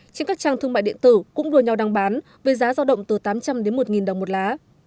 trên các trang thương mại điện tử cũng đua nhau đang bán với giá giao động từ tám trăm linh đến một đồng một lá